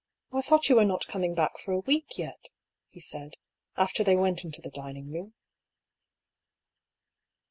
" I thought you were not coming back for a week yet," he said, after they went into the dining room.